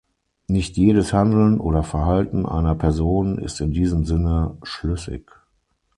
Nicht jedes Handeln oder Verhalten einer Person ist in diesem Sinne schlüssig.